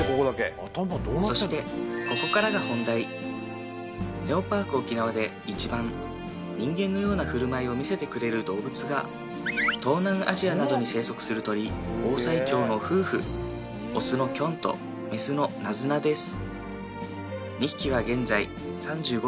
そしてここからが本題ネオパークオキナワで一番人間のような振る舞いを見せてくれる動物が東南アジアなどに生息する鳥オオサイチョウの夫婦オスのキョンとメスのナズナです